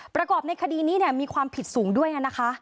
ประกอบในคดีนี้มีความผิดสูงด้วยนะคะ